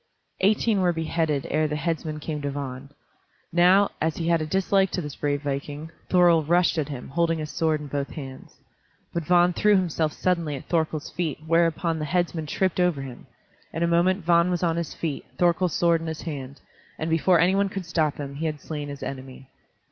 Eighteen were beheaded ere the headsman came to Vagn. Now, as he had a dislike to this brave viking, Thorkel rushed at him, holding his sword in both hands. But Vagn threw himself suddenly at Thorkel's feet, whereupon the headsman tripped over him. In a moment Vagn was on his feet, Thorkel's sword in his hand, and before any one could stop him he had slain his enemy.